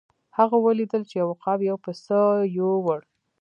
هغه ولیدل چې یو عقاب یو پسه یووړ.